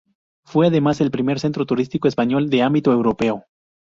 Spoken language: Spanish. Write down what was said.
Fue además el primer centro turístico español de ámbito europeo.